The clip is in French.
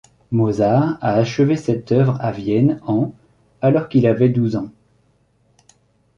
Mozart a achevé cette œuvre à Vienne en alors qu'il avait douze ans.